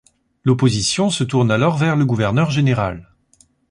L'opposition se tourne alors vers le gouverneur général.